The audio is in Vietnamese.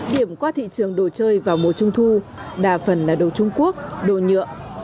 điểm qua thị trường đồ chơi vào mùa trung thu đa phần là đồ trung quốc đồ nhựa